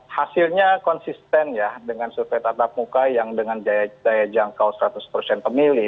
hasilnya konsisten ya dengan survei tatap muka yang dengan daya jangkau seratus persen pemilih